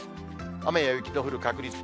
雨や雪の降る確率。